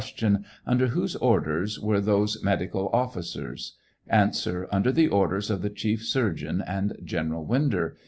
Under whose orders were those medical officers ? A. Under the orders of the chief surgeon aud of General Winder.